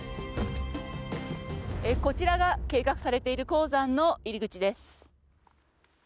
こちらが、計画されている鉱山の入り口です。